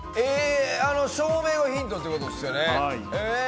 照明がヒントっていうことですよね？